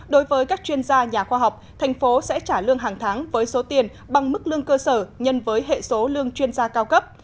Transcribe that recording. đối với các chuyên gia nhà khoa học thành phố sẽ trả lương hàng tháng với số tiền bằng mức lương cơ sở nhân với hệ số lương chuyên gia cao cấp